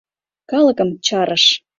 Калыкым чарыш.